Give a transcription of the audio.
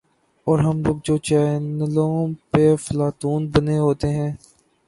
اورہم لوگ جو چینلوں پہ افلاطون بنے ہوتے ہیں۔